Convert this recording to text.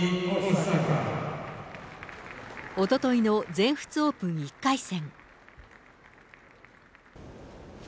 おとといの全仏オープン１回戦。